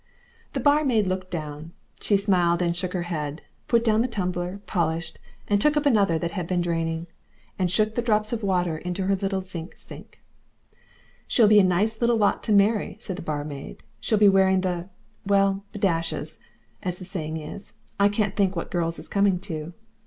The barmaid looked down, smiled and shook her head, put down the tumbler, polished, and took up another that had been draining, and shook the drops of water into her little zinc sink. "She'll be a nice little lot to marry," said the barmaid. "She'll be wearing the well, b dashes, as the sayin' is. I can't think what girls is comin' to."